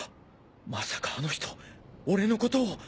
まさかあの人俺のことを